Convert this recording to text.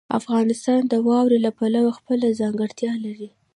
افغانستان د واورو له پلوه خپله ځانګړتیا لري.